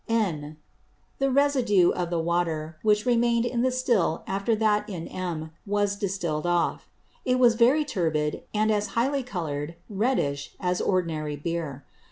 (N.) The Residue of the Water, which remain'd in the Still after that in M, was distill'd off. It was very turbid, and as high colour'd (reddish) as ordinary Beer.